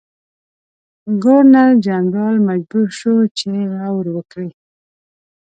ګورنرجنرال مجبور شو چې غور وکړي.